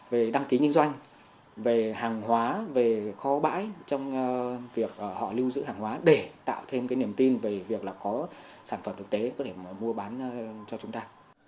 về đăng ký kinh doanh về hàng hóa về kho bãi trong việc họ lưu giữ hàng hóa để tạo thêm cái niềm tin về việc là có sản phẩm thực tế có thể mua bán cho chúng ta